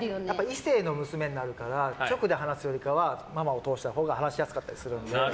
異性の娘になるから直で話すよりかはママを通したほうが話しやすかったりするので。